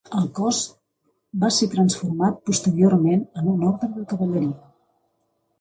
El cos va ser transformat posteriorment en un orde de cavalleria.